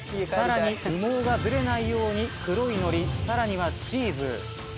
さらに羽毛がずれないように黒いのりさらにはチーズ。